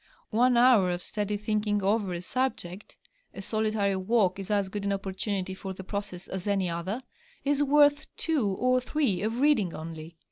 One hour of steady thinking over a subject (a solitary walk is as good an opportunity for the process as any other) is worth two or three of reading only.